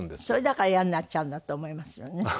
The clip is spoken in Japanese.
それだから嫌になっちゃうんだと思いますよね。